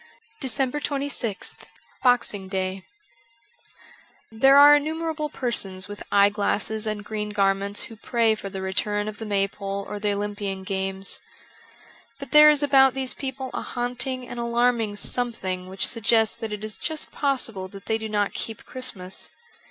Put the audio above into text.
'' 400 DECEMBER 26th BOXING DAY THERE are innumerable persons with eyeglasses and green garments who pray for the return of the maypole or the Olympian Games. But there is about these people a haunting and alarming something which suggests that it is just possible that they do not keep Christmas.